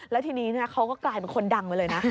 แล้วทีนี้เขาก็กลายเป็นคนดังไปเลยนะ